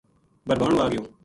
بھربھانو آ گیو